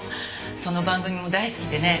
その番組も大好きでね。